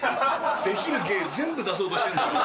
できる芸、全部出そうとしてんじゃん。